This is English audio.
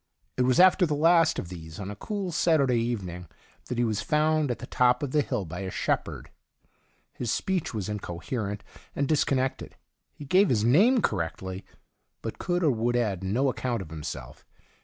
It was after the last of these^ on a cool Saturday evening, that he was found at the top of the hill by a shepherd. His speech was incoherent and discon nected ; he gave his name correctly, but could or would add no account of himself.